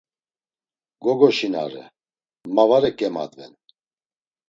Gogoşinare, ma var eǩemadven.